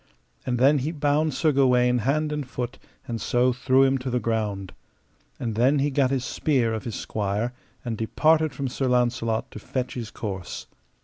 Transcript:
And then he bound Sir Gawaine hand and foot, and so threw him to the ground. And then he gat his spear of his squire, and departed from Sir Launcelot to fetch his course.